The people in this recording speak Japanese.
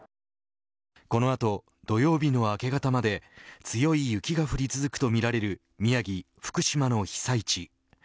この後、土曜日の明け方まで強い雪が降り続くとみられる宮城、福島の被災地。